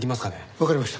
わかりました。